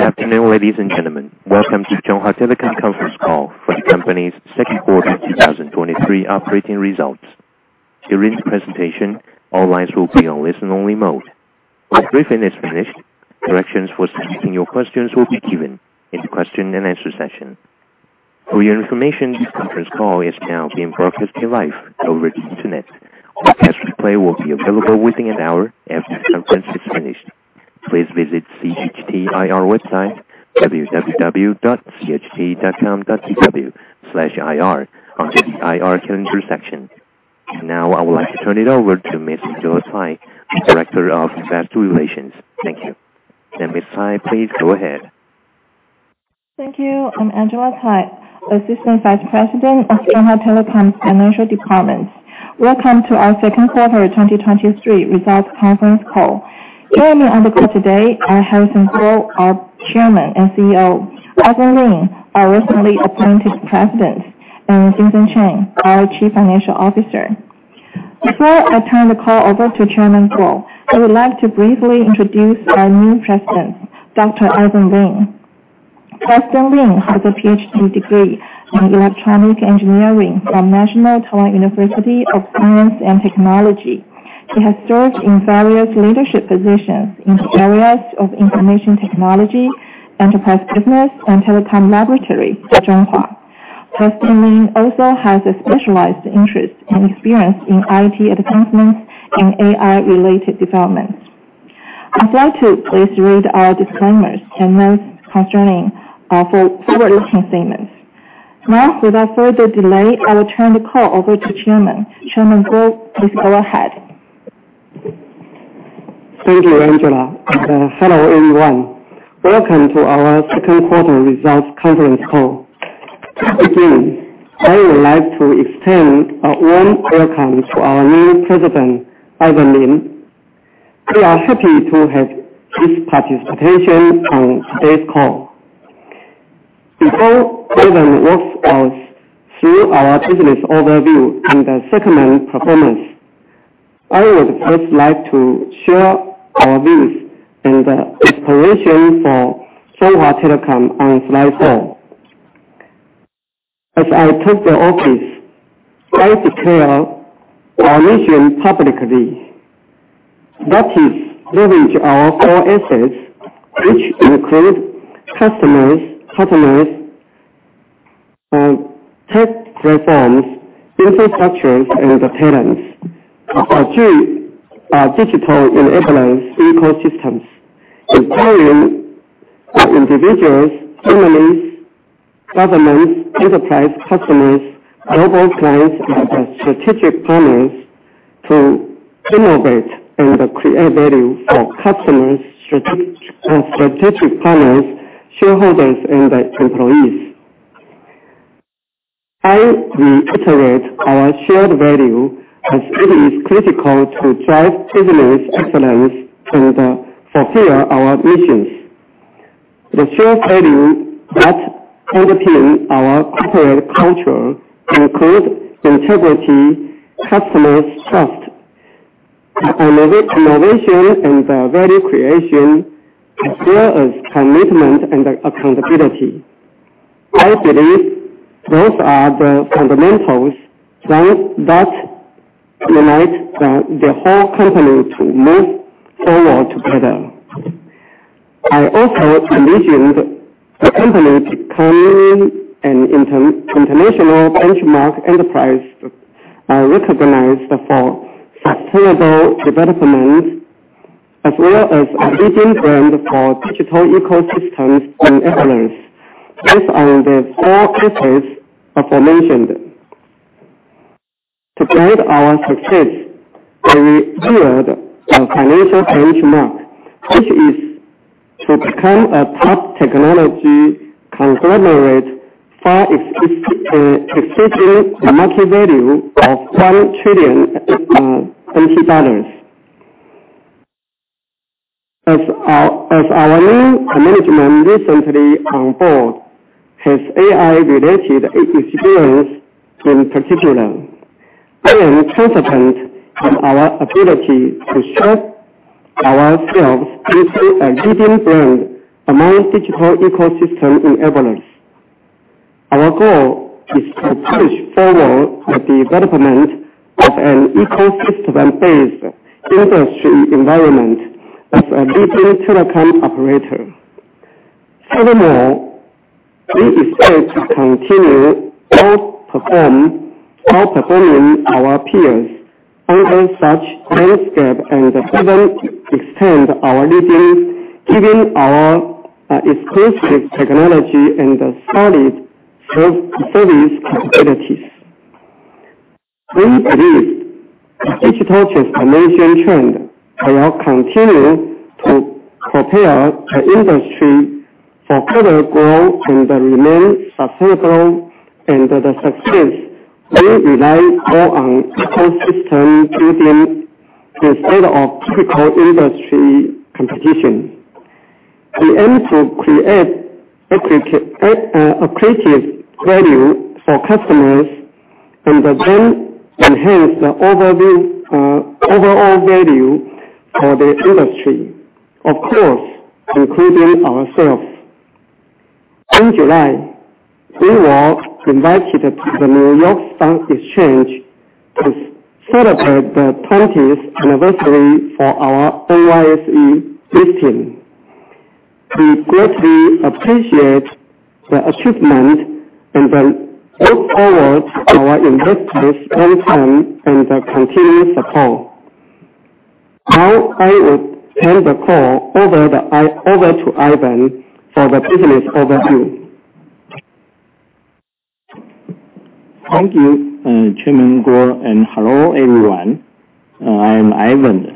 Good afternoon, ladies and gentlemen. Welcome to Chunghwa Telecom conference call for the company's second quarter 2023 operating results. During the presentation, all lines will be on listen-only mode. When Griffin is finished, directions for submitting your questions will be given in the question and answer session. For your information, this conference call is now being broadcasted live over the Internet. A test replay will be available within an hour after the conference is finished. Please visit CHTIR website, www.cht.com.tw/ir under the IR section. Now, I would like to turn it over to Miss Angela Tsai, Director of Investor Relations. Thank you. Miss Tsai, please go ahead. Thank you. I'm Angela Tsai, Assistant Vice President of Chunghwa Telecom's Financial Department. Welcome to our second quarter of 2023 results conference call. Joining me on the call today are Harrison Kuo, our Chairman and CEO, Ivan Lin, our recently appointed President, and Vincent Chen, our Chief Financial Officer. Before I turn the call over to Chairman Harrison Kuo, I would like to briefly introduce our new President, Dr. Ivan Lin. Ivan Lin has a PhD degree in Electronic Engineering from National Taiwan University of Science and Technology. He has served in various leadership positions in the areas of information technology, enterprise business, and telecom laboratory at Chunghwa. Ivan Lin also has a specialized interest and experience in IoT advancements and AI-related developments. I'd like to please read our disclaimers and notes concerning for forward-looking statements. Without further delay, I will turn the call over to Chairman. Chairman Harrison Kuo, please go ahead. Thank you, Angela. Hello, everyone. Welcome to our second quarter results conference call. To begin, I would like to extend a warm welcome to our new President, Ivan Lin. We are happy to have his participation on today's call. Before Ivan walks us through our business overview and segment performance, I would first like to share our views and exploration for Chunghwa Telecom on slide four. As I took the office, I declare our mission publicly. That is leverage our core assets, which include customers, customers, tech platforms, infrastructures, and talents to achieve our digital enabling ecosystems, empowering individuals, families, governments, enterprise customers, global clients, and strategic partners to innovate and create value for customers, strategic partners, shareholders, and employees. I reiterate our shared value as it is critical to drive business excellence to fulfill our missions. The shared value that underpin our corporate culture include integrity, customers trust, innovation, and value creation, as well as commitment and accountability. I believe those are the fundamentals that, that unite the whole company to move forward together. I also envisioned the company becoming an international benchmark enterprise, recognized for sustainable development, as well as a leading brand for digital ecosystems enablers based on the four pillars aforementioned. To guide our success, we build a financial benchmark, which is to become a top technology conglomerate for exceeding the market value of TWD 1 trillion. As our, as our new management recently on board, has AI-related experience, in particular, I am confident in our ability to shape ourselves into a leading brand among digital ecosystem enablers. Our goal is to push forward the development of an ecosystem-based industry environment as a leading telecom operator. Furthermore, we expect to continue outperforming our peers under such landscape and even extend our leading, given our exclusive technology and a solid service capabilities. We believe the digital transformation trend will continue to prepare the industry for further growth and remain sustainable, and the success will rely more on ecosystem building instead of typical industry competition. We aim to create accretive value for customers and then enhance the overall value for the industry, of course, including ourselves. In July, we were invited to the New York Stock Exchange to celebrate the twentieth anniversary for our NYSE listing. We greatly appreciate the achievement and then look forward to our investors' long term and continued support. Now, I will turn the call over to Ivan for the business overview. Thank you, Chairman Harrison Kuo. Hello, everyone. I'm Ivan,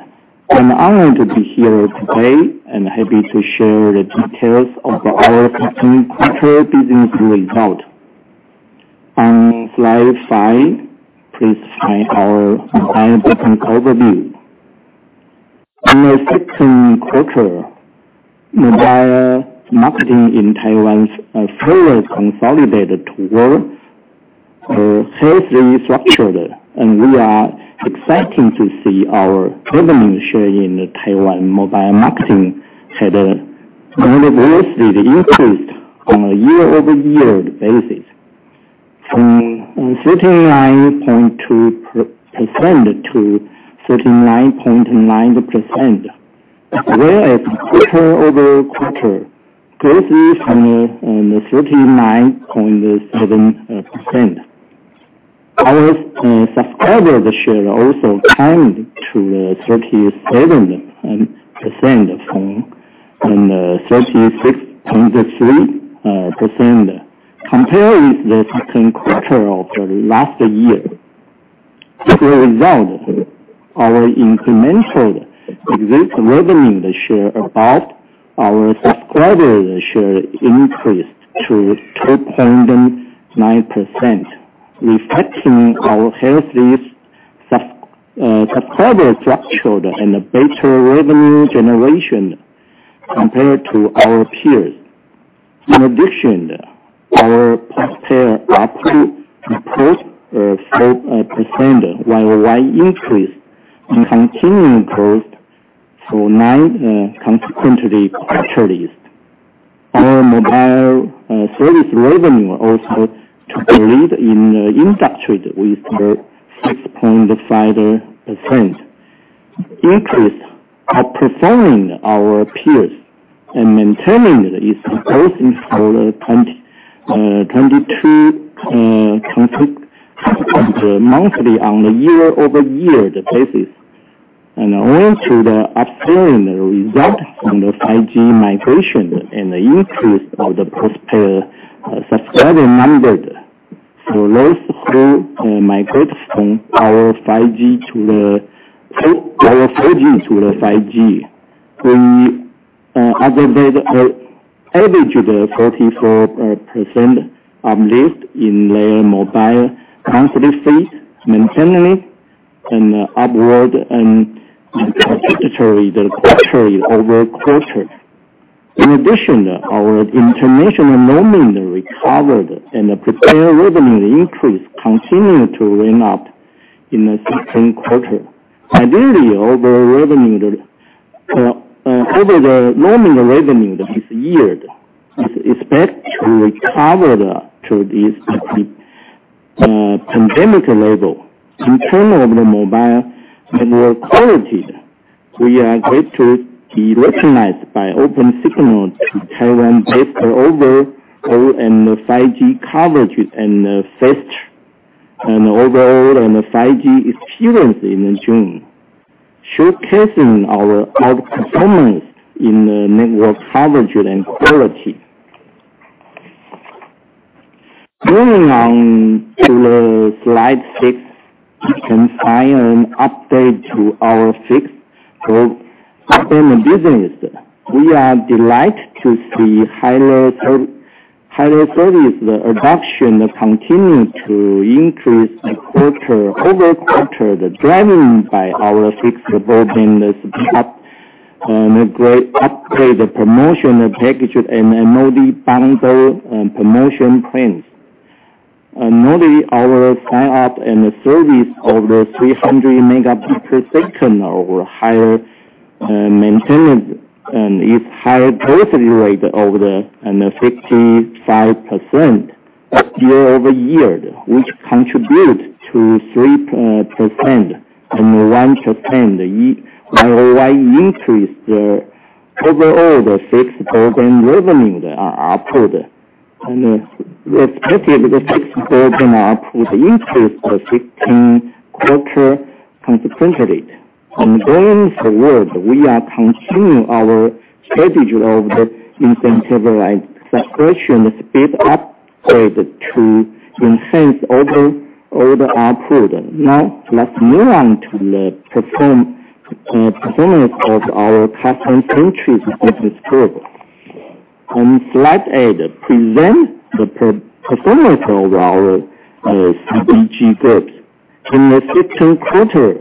honored to be here today and happy to share the details of our second quarter business result. On slide five, please find our mobile business overview. In the second quarter, mobile marketing in Taiwan further consolidated towards healthy structured. We are excited to see our prevailing share in the Taiwan mobile marketing had a modestly increased on a year-over-year basis from 39.2% to 39.9%. Whereas quarter-over-quarter, greatly from 39.7%. Our subscriber share also climbed to 37% from 36.3%, compared with the second quarter of last year. As a result, our incremental existing revenue share about our subscriber share increased to 2.9%, reflecting our healthy subscriber structure and a better revenue generation compared to our peers. In addition, our post-paid ARPU improved 4% year-over-year increase and continuing growth for nine consecutive quarters. Our mobile service revenue also to lead in the industry with the 6.5% increase, outperforming our peers and maintaining its momentum for 22 consecutive monthly on a year-over-year basis. Owing to the upstream result from the 5G migration and the increase of the post-paid subscriber numbers. For those who migrate from our 4G to the 5G, we observed a average of 44% of lift in their mobile monthly fee, maintaining it, and upward and consecutively quarter-over-quarter. In addition, our international roaming recovered, and the post-paid revenue increase continued to ramp up in the second quarter. Ideally, over revenue, over the roaming revenue this year is expected to recover to the pandemic level. In terms of the mobile network quality, we are glad to be recognized by OpenSignal to Taiwan based overall and the 5G coverage and, fast and overall, and the 5G experience in June, showcasing our, our performance in the network coverage and quality. Moving on to the slide six, you can find an update to our fixed-term business. We are delighted to see higher service adoption continues to increase quarter-over-quarter, driven by our fixed broadband speed up, and great upgrade the promotional package, and a multi-bundle promotion plans. Notably, our sign-up and the service over 300 Mbps or higher, maintenance, and its higher penetration rate over the, and the 55% year-over-year, which contribute to 3% and 1% year-over-year increase the overall the fixed broadband revenue output. We expect the fixed broadband output increase for second quarter consecutively. Going forward, we are continuing our strategy of the incentivized separation speed upgrade to enhance over all the output. Now, let's move on to the performance of our customer-centric business group. On slide eight, presents the performance of our CBG groups. In the second quarter,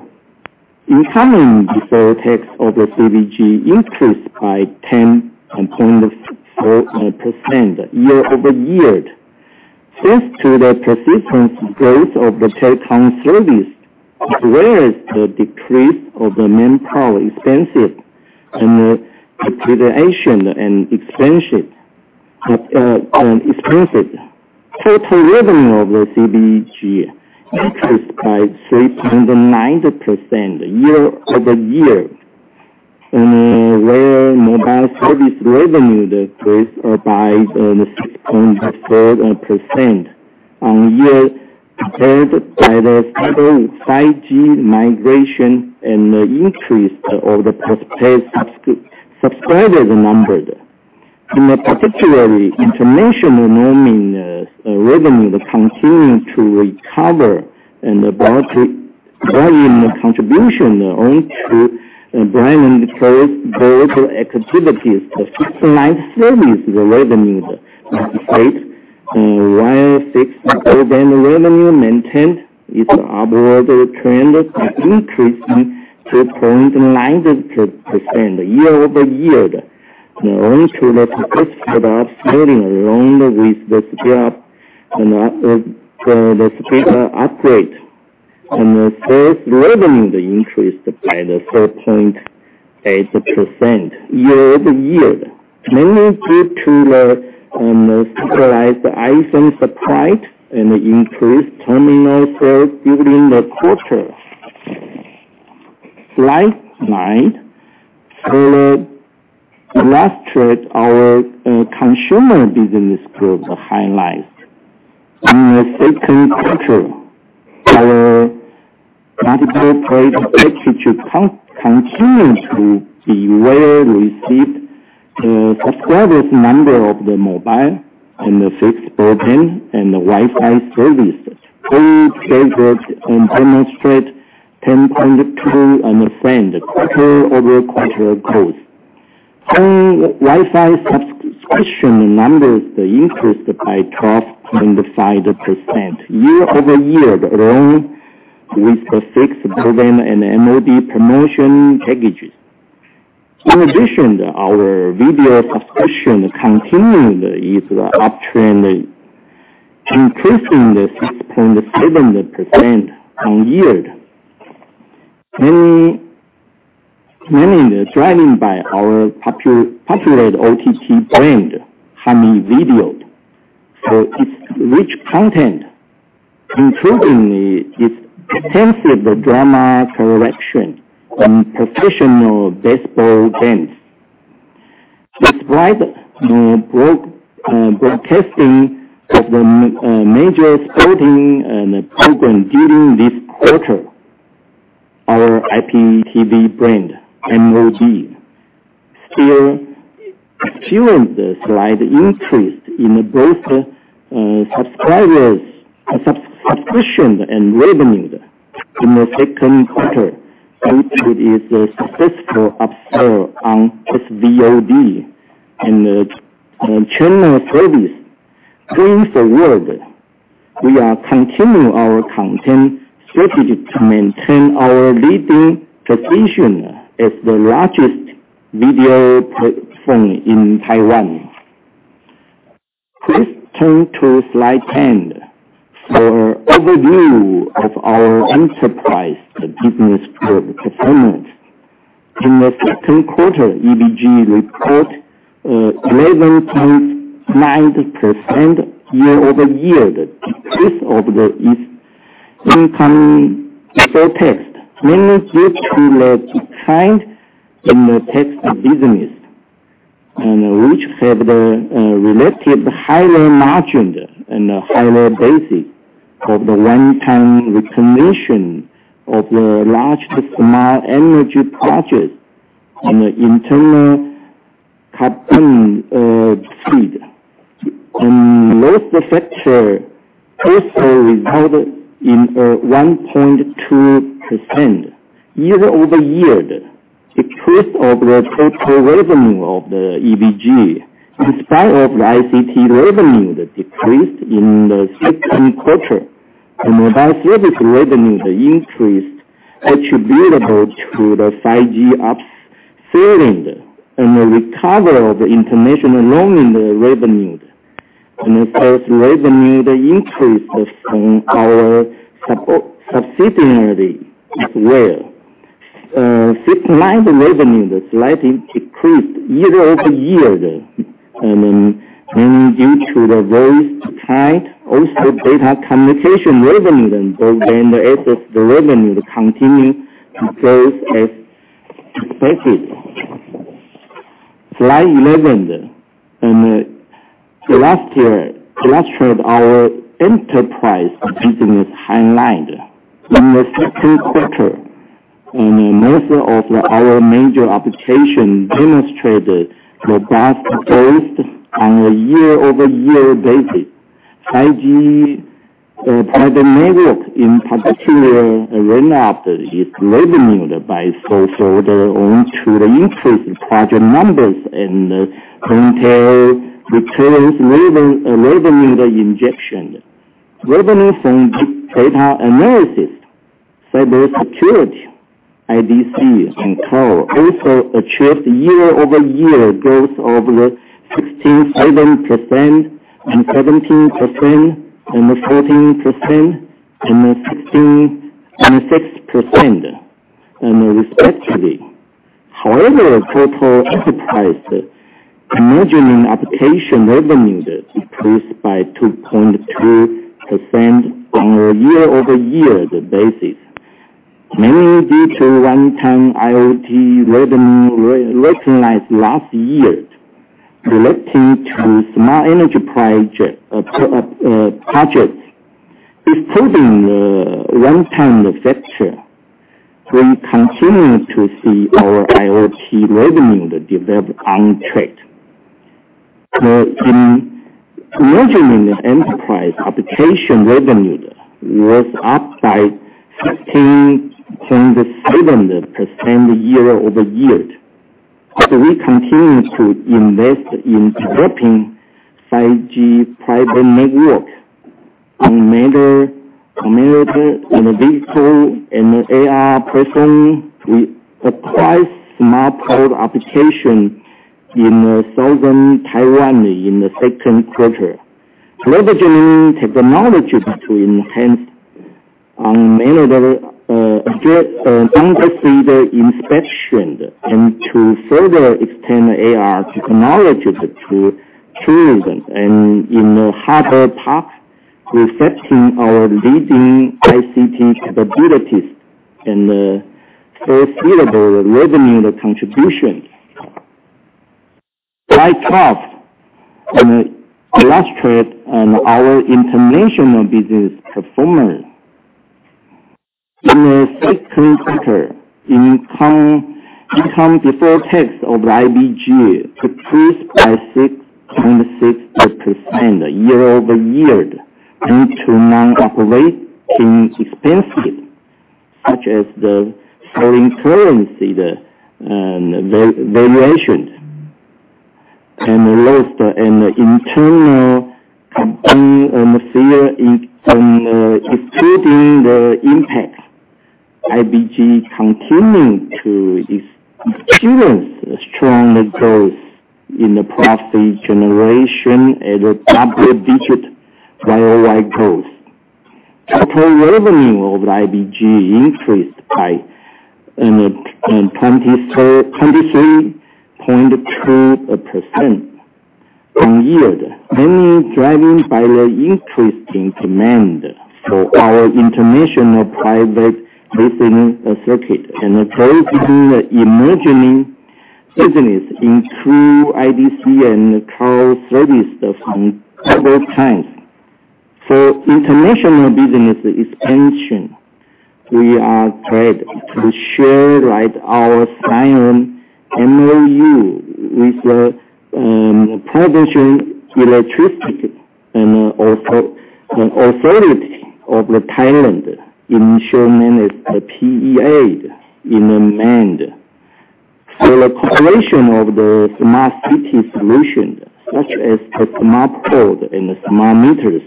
income before tax of the CBG increased by 10.4% year-over-year. Thanks to the persistent growth of the telecom service, as well as the decrease of the manpower expenses and the depreciation and expenses and expenses. Total revenue of the CBG increased by 3.9% year-over-year, and where mobile service revenue decreased by 6.4% on year, compared by the stable 5G migration and the increase of the prepaid subscribers numbers. In the particularly, international roaming revenue continuing to recover and about to volume contribution on to brand and close global activities to fix live service revenue state, and while fixed broadband revenue maintained its upward trend by increasing 2.9% year-over-year. Only to the first quarter of sailing along with the scale up and the scale upgrade. The sales revenue increased by 4.8% year-over-year, mainly due to the stabilized iPhone supply and increased terminal sales during the quarter. Slide nine illustrates our consumer business group highlights. In the second quarter, our multiple play package continues to be well received. The subscribers number of the mobile and the fixed broadband and the Wi-Fi services all favored and demonstrate 10.2 on the friend, quarter-over-quarter growth. Wi-Fi subscription numbers increased by 12.5% year-over-year, along with the fixed broadband and MOD promotion packages. In addition, our video subscription continued its uptrend, increasing 6.7% on year. Mainly driven by our popular OTT brand, Hami Video. Its rich content, including its extensive drama collection and professional baseball games. Despite the broad broadcasting of the major sporting program during this quarter, our IPTV brand, MOD, still experienced a slight increase in both subscribers, subscription and revenue in the second quarter, thanks to its successful upsell on SVOD and channel service brings the world. We are continuing our content strategy to maintain our leading position as the largest video platform in Taiwan. Please turn to slide 10 for overview of our enterprise business group performance. In the second quarter, EBG report 11.9% year-over-year decrease of its income before tax, mainly due to the decline in the tax business, and which have the relative higher margin and a higher basis of the one-time recognition of the large to small energy projects and the internal carbon fee. Those factors also resulted in a 1.2% year-over-year decrease of the total revenue of the EBG, in spite of the ICT revenue decreased in the second quarter, and mobile service revenue increased, attributable to the 5G upselling and the recovery of international roaming revenue, and as sales revenue increases from our subsidiary as well. Fixed line revenue slightly decreased year-over-year, and then mainly due to the voice decline, also data communication revenue and broadband access revenue continue to grow as expected. Slide 11, last year illustrated our enterprise business highlight. In the second quarter, most of our major applications demonstrated robust growth on a year-over-year basis. 5G private network, in particular, ramped up its revenue by so so the own to the increase in project numbers and retail returns revenue injection.... revenue from big data analysis, cybersecurity, IDC, and cloud also achieved year-over-year growth of 16.7% and 17%, and 14%, and 16%, and 6%, and respectively. total enterprise emerging application revenue decreased by 2.2% on a year-over-year basis, mainly due to one-time IoT revenue recognized last year, relating to smart energy projects, excluding the one-time factor. We continue to see our IoT revenue develop on track. In emerging enterprise application revenue was up by 15.7% year-over-year. We continue to invest in developing 5G private network, automated, community, and vehicle, and AR/VR, we acquired smart code application in southern Taiwan in the second quarter, leveraging technologies to enhance on many level under seed inspection and to further extend the AR technologies to tourism and in the harbor path, reflecting our leading ICT capabilities and first available revenue contributions. Slide 12 illustrate on our international business performance. In the second quarter, income, income before tax of IBG decreased by 6.6% year-over-year, due to non-operating expenses, such as the foreign currency, the valuation, and loss in the internal company, and the fear in, and excluding the impact. IBG continuing to experience strong growth in the profit generation at a double-digit year-on-year growth. Total revenue of IBG increased by 22-23.2% on year, mainly driving by the increasing demand for our international private leasing circuit, and growing between the emerging business in through IDC and cloud services on several times. For international business expansion, we are proud to share, like, our sign MOU with the Provincial Electricity Authority, initially managed by PEA in Thailand. For the correlation of the smart city solution, such as the smart code and the smart meters.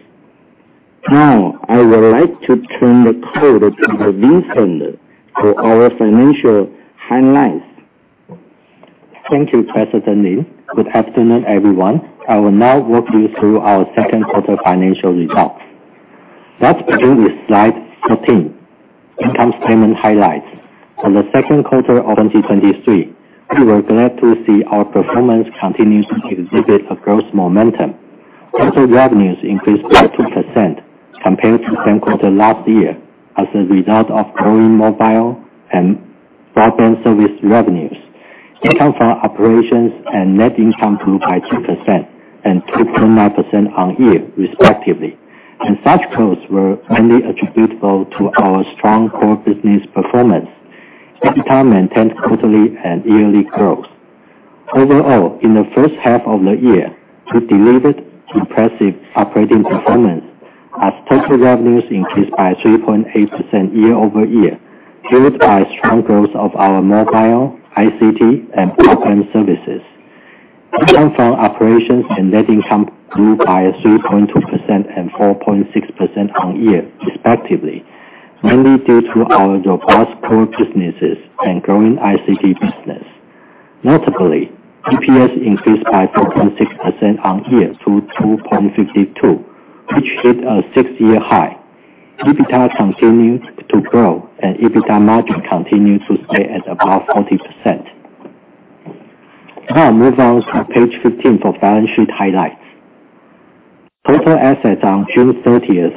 Now, I would like to turn the call to Vincent for our financial highlights. Thank you, President Lin. Good afternoon, everyone. I will now walk you through our second quarter financial results. Let's begin with slide 13, income statement highlights. On the second quarter of 2023, we were glad to see our performance continues to exhibit a growth momentum. Total revenues increased by 2% compared to the same quarter last year, as a result of growing mobile and broadband service revenues. Income from operations and net income grew by 2% and 2.9% on year, respectively, and such growth were only attributable to our strong core business performance. EBITDA maintained quarterly and yearly growth. Overall, in the first half of the year, we delivered impressive operating performance as total revenues increased by 3.8% year-over-year, driven by strong growth of our mobile, ICT, and broadband services. Income from operations and net income grew by 3.2% and 4.6% on year, respectively, mainly due to our robust core businesses and growing ICT business. Notably, EPS increased by 4.6% on year to NT 2.52, which hit a six-year high. EBITDA continued to grow, and EBITDA margin continued to stay at above 40%. Move on to page 15 for balance sheet highlights. Total assets on June 30th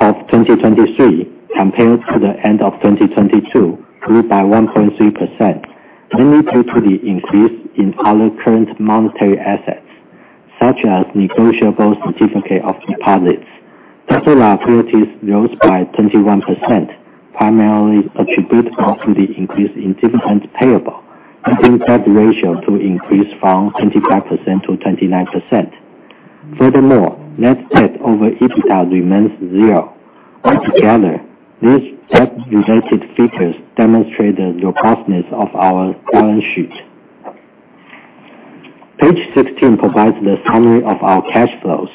of 2023, compared to the end of 2022, grew by 1.3%, mainly due to the increase in our current monetary assets, such as negotiable certificates of deposit. Total liabilities rose by 21%, primarily attributable to the increase in dividends payable, and in debt ratio to increase from 25% -29%. Furthermore, net debt over EBITDA remains 0. Altogether, these debt-related figures demonstrate the robustness of our balance sheet.... Page 16 provides the summary of our cash flows.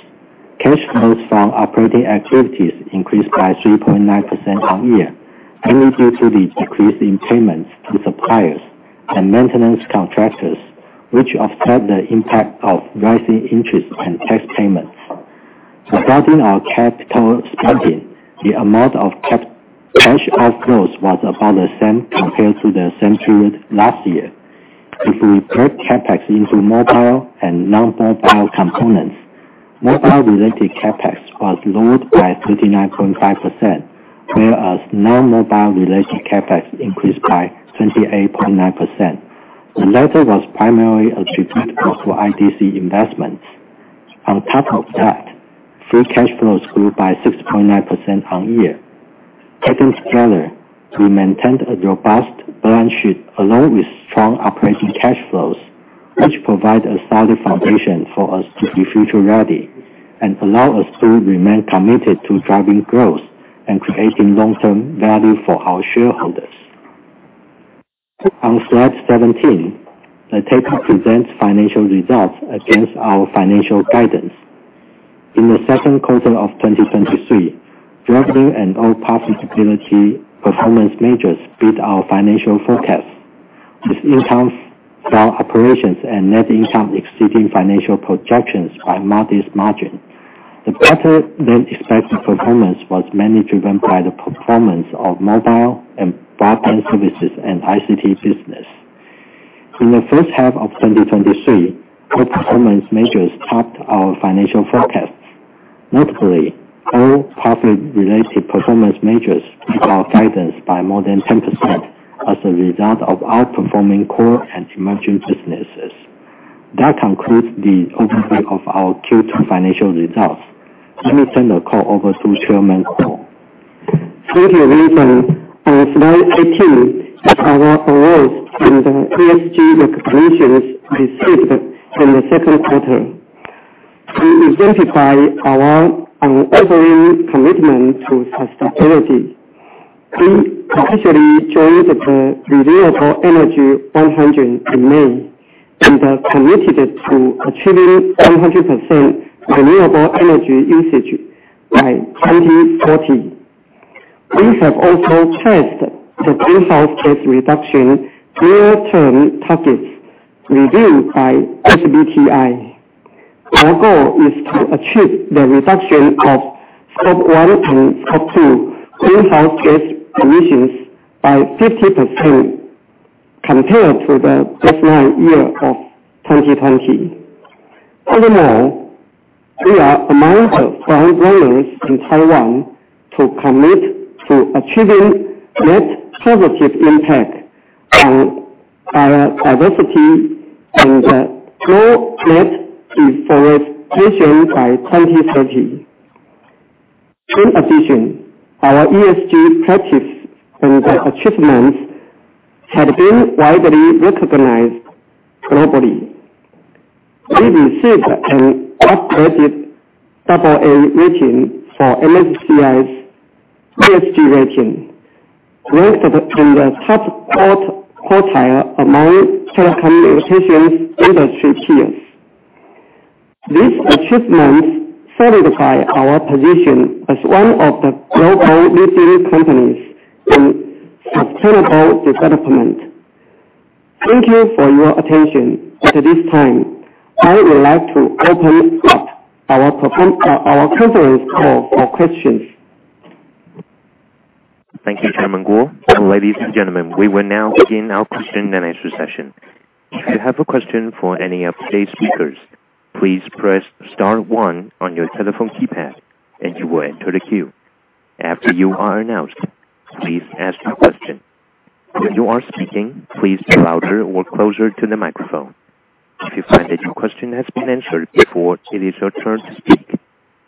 Cash flows from operating activities increased by 3.9% year-over-year, mainly due to the decrease in payments to suppliers and maintenance contractors, which offset the impact of rising interest and tax payments. Regarding our capital spending, the amount of cash outflows was about the same compared to the same period last year. If we break CapEx into mobile and non-mobile components, mobile-related CapEx was lowered by 39.5%, whereas non-mobile related CapEx increased by 28.9%. The latter was primarily attributable to IDC investments. On top of that, free cash flows grew by 6.9% year-over-year. Taken together, we maintained a robust balance sheet, along with strong operating cash flows, which provide a solid foundation for us to be future ready and allow us to remain committed to driving growth and creating long-term value for our shareholders. On slide 17, the table presents financial results against our financial guidance. In the second quarter of 2023, revenue and all profitability performance measures beat our financial forecasts, with income from operations and net income exceeding financial projections by modest margin. The better-than-expected performance was mainly driven by the performance of mobile and broadband services and ICT business. In the first half of 2023, all performance measures topped our financial forecasts. Notably, all profit-related performance measures beat our guidance by more than 10% as a result of outperforming core and emerging businesses. That concludes the overview of our Q-two financial results. Let me turn the call over to Chairman Harrison Kuo. Thank you, Vincent. On slide 18, our awards and ESG recognitions received in the second quarter. To exemplify our unwavering commitment to sustainability, we officially joined the RE100 in May, and are committed to achieving 100% renewable energy usage by 2040. We have also traced the greenhouse gas reduction near-term targets reviewed by SBTi. Our goal is to achieve the reduction of Scope 1 and Scope two greenhouse gas emissions by 50% compared to the baseline year of 2020. Furthermore, we are among the strong leaders in Taiwan to commit to achieving net positive impact on our diversity and the global deforestation by 2030. In addition, our ESG practice and our achievements have been widely recognized globally. We received an upgraded double A rating for MSCI ESG rating, ranked in the top quartile among telecommunications industry peers. These achievements solidify our position as one of the global leading companies in sustainable development. Thank you for your attention. At this time, I would like to open up our conference call for questions. Thank you, Chairman Harrison Kuo. Ladies and gentlemen, we will now begin our question and answer session. If you have a question for any of today's speakers, please press star one on your telephone keypad, and you will enter the queue. After you are announced, please ask your question. When you are speaking, please louder or closer to the microphone. If you find that your question has been answered before it is your turn to speak,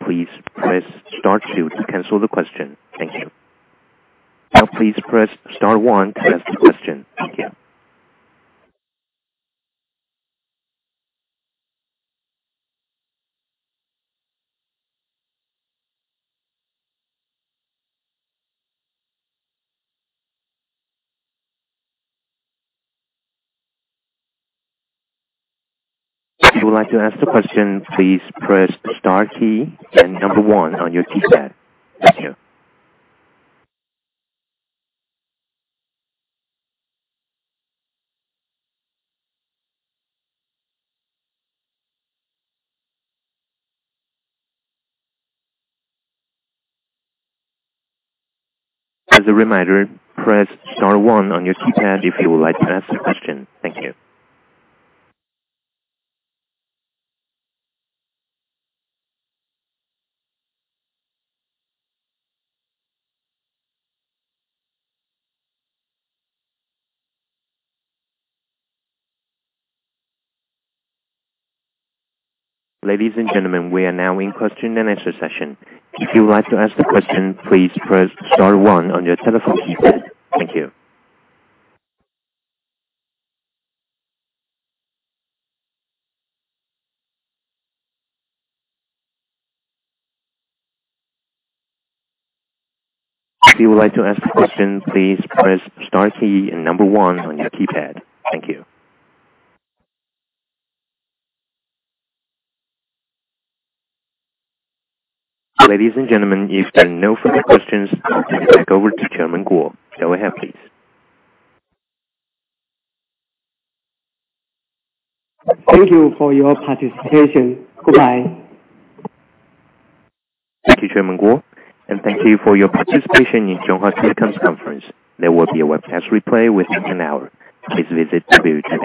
please press star two to cancel the question. Thank you. Now, please press star one to ask the question. Thank you. If you would like to ask the question, please press star key and number one on your keypad. Thank you. As a reminder, press star one on your keypad if you would like to ask a question. Thank you. Ladies and gentlemen, we are now in question and answer session. If you would like to ask the question, please press star one on your telephone keypad. Thank you. If you would like to ask a question, please press star key and number 1 on your keypad. Thank you. Ladies and gentlemen, if there are no further questions, I'll turn it back over to Chairman Harrison Kuo. Go ahead, please. Thank you for your participation. Goodbye. Thank you, Chairman Harrison Kuo. Thank you for your participation in Chunghwa Telecom's conference. There will be a webcast replay within an hour. Please visit www.cht.com.tw/ir.